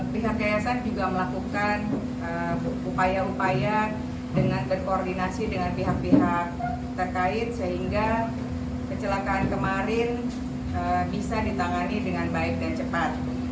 pihak yayasan juga melakukan upaya upaya dengan berkoordinasi dengan pihak pihak terkait sehingga kecelakaan kemarin bisa ditangani dengan baik dan cepat